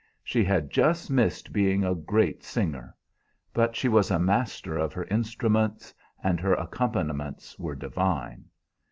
She had just missed being a great singer; but she was a master of her instrument, and her accompaniments were divine.